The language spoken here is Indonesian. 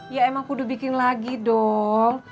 ya emang udah bikin lagi dong